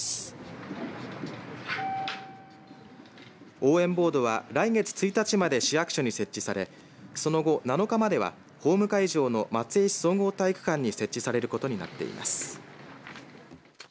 応援ボードは来月１日まで市役所に設置されその後７日まではホーム会場の松江市総合体育館に設置されることになっています。